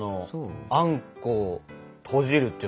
あんこを閉じるっていうのはさ。